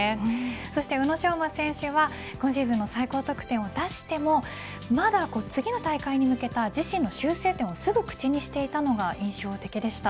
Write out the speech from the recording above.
そして、宇野昌磨選手は今シーズンの最高得点を出してもまだ次の大会に向けた自身の修正点をすぐ口にしていたのが印象的でした。